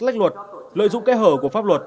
lách luật lợi dụng kế hở của pháp luật